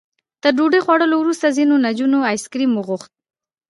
تر ډوډۍ خوړلو وروسته ځینو نجونو ایس کریم وغوښت.